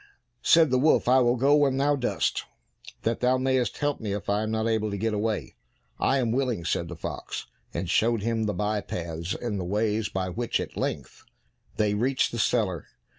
Said the wolf, "I will go when thou dost, that thou mayest help me if I am not able to get away." "I am willing," said the fox, and showed him the by paths and ways by which at length they reached the cellar.